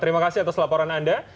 terima kasih atas laporan anda